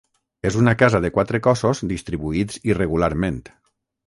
És una casa de quatre cossos distribuïts irregularment.